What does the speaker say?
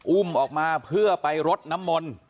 อุ้มออกมาเพื่อไปรดน้ำมนต์